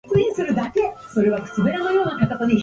まだまだ終わらないよ